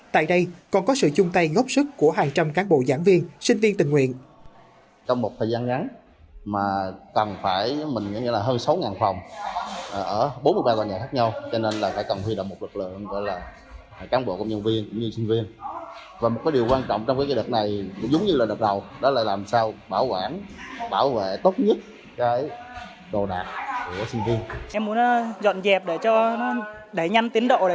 tại đây còn có sự chung tay góp sức của hai trăm linh cán bộ giảng viên sinh viên tình nguyện